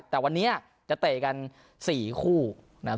แต่วันนี้จะเตะกัน๔คู่นะครับ